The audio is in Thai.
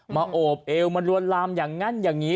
โอบเอวมาลวนลามอย่างนั้นอย่างนี้